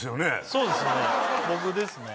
そうですね